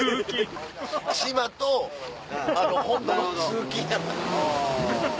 島と本土の通勤やった。